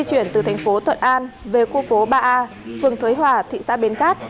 chuyển từ thành phố thuận an về khu phố ba a phường thới hòa thị xã bến cát